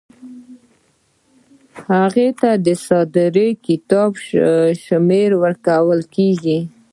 هغه ته د صادرې کتاب شمیره ورکول کیږي.